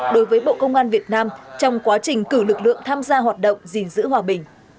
đối với bộ công an việt nam trong quá trình cử lực lượng tham gia hoạt động gìn giữ hòa bình